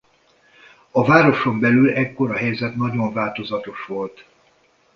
A városon belül ekkor a helyzet nagyon változatos volt.